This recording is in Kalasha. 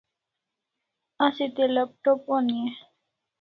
Asi te laptop oni e?